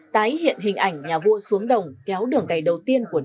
tái hiện hình ảnh nhà vua xuống đồng kéo đường cày đầu tiên của năm